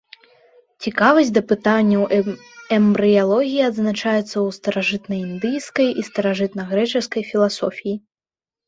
Цікавасць да пытанняў эмбрыялогіі адзначаецца ў старажытнаіндыйскай і старажытнагрэчаскай філасофіі.